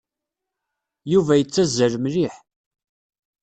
Yuba yettazzal mliḥ.